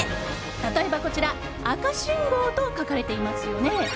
例えば、こちら「あかしんごう」と書かれていますよね。